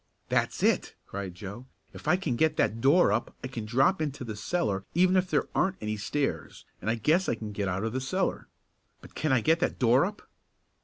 "That's it!" cried Joe. "If I can get that door up I can drop into the cellar even if there aren't any stairs, and I guess I can get out of the cellar. But can I get that door up?"